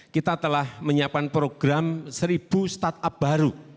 kita telah menyiapkan program seribu start up baru